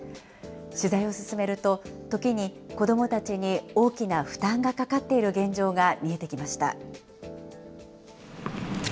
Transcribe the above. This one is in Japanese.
取材を進めると、時に子どもたちに大きな負担がかかっている現状が見えてきました。